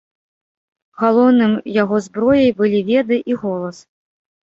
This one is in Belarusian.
Галоўным яго зброяй былі веды і голас.